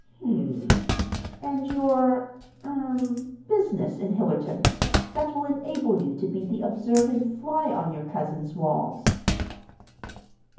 "Hm m. And your—er—business in Hillerton, that will enable you to be the observing fly on your cousins' walls?"